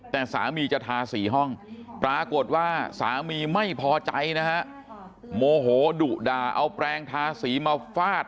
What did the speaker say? แต่สามีจะทาสีห้องปรากฏว่าสามีไม่พอใจนะฮะโมโหดุด่าเอาแปลงทาสีมาฟาด